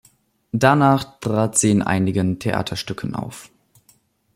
Danach trat sie in einigen Theaterstücken auf.